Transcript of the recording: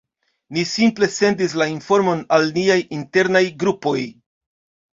Ni simple sendis la informon al niaj "internaj" grupoj.